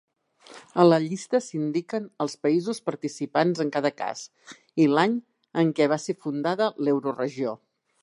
A la llista s'indiquen els països participants en cada cas i l'any en què va ser fundada l'euroregió.